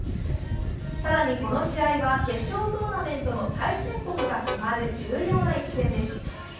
更に、この試合は決勝トーナメントの対戦国が決まる重要な一戦です。